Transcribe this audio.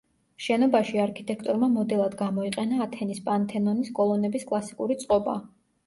შენობაში არქიტექტორმა მოდელად გამოიყენა ათენის პართენონის კოლონების კლასიკური წყობა.